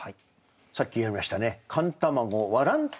さっきやりましたね。